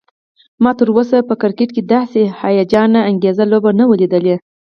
ما تراوسه په کرکټ کې داسې هيجان انګیزه لوبه نه وه لیدلی